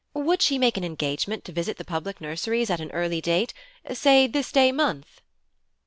Would she make an engagement to visit the public nurseries at an early date? say this day month.